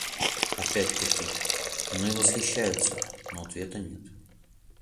Опять-таки, мной восхищаются, но ответа нет.